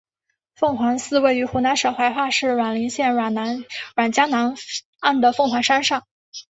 凤凰寺位于湖南省怀化市沅陵县沅江南岸的凤凰山上。